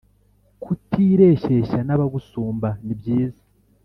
Kutireshyeshya n’abagusumba nibyiza